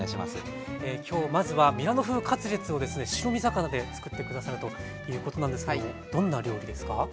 今日まずはミラノ風カツレツをですね白身魚でつくって下さるということなんですけどもどんな料理ですか？